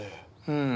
うん。